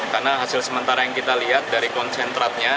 karena hasil sementara yang kita lihat dari konsentratnya